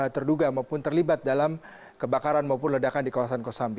terduga maupun terlibat dalam kebakaran maupun ledakan di kawasan kosambi